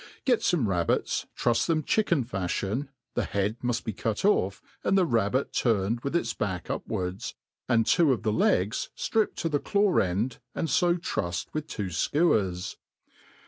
Get fome rabbits, trui*s them chicken fafliion, the he^ muft be cut off, and the rabbit turned with tfae*baek upwards, and two df the \^% flripped to the claw end, and fo trufled with two fkewers.